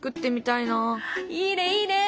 いいねいいね。